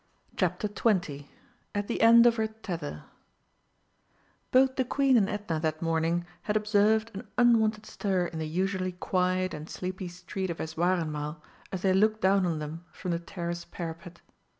CHAPTER XX AT THE END OF HER TETHER Both the Queen and Edna that morning had observed an unwonted stir in the usually quiet and sleepy streets of Eswareinmal as they looked down on them from the Terrace parapet.